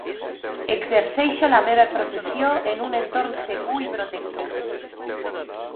"Exerceixo la meva professió en un entorn segur i protector".